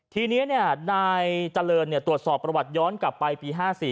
ทีนี้นายเจริญตรวจสอบประวัติย้อนกลับไปปี๕๔